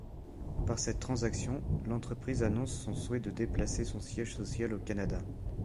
Par cette transaction, l'entreprise annonce son souhait de déplacer son siège social au Canada.